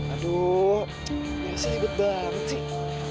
aduh masih aget banget sih